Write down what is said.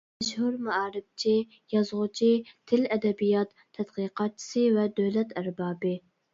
مەشھۇر مائارىپچى، يازغۇچى، تىل-ئەدەبىيات تەتقىقاتچىسى ۋە دۆلەت ئەربابى.